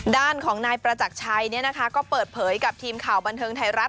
ด้านของนายประจักรชัยก็เปิดเผยกับทีมข่าวบันเทิงไทยรัฐ